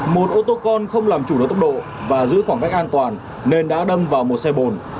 một ô tô con không làm chủ được tốc độ và giữ khoảng cách an toàn nên đã đâm vào một xe bồn